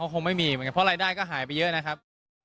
เขาคงไม่มีเพราะรายได้ก็หายไปเยอะนะครับ